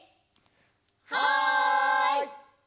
はい！